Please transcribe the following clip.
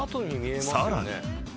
［さらに］